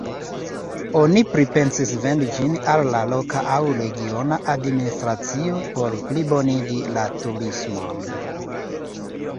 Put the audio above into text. Oni pripensis vendi ĝin al la loka aŭ regiona administracio por plibonigi la turismon.